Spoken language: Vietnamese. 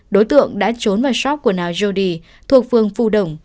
đối tượng đã trốn vào shop quần áo jody thuộc phương phu đồng